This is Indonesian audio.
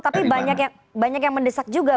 tapi banyak yang mendesak juga